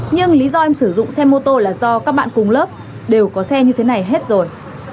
nhưng lý do em sử dụng xe mô tô là do các bạn cùng lớp đều có xe như thế này hết rồi